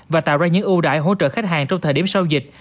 và tạo ra những ưu đại hỗ trợ khách hàng trong thời điểm sau dịch